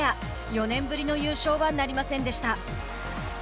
４年ぶりの優勝はなりませんでした。